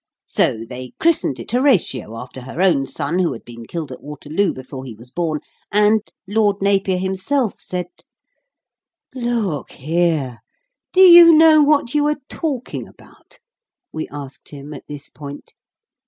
So they christened it Horatio, after her own son, who had been killed at Waterloo before he was born, and Lord Napier himself said " "Look here, do you know what you are talking about?" we asked him at this point.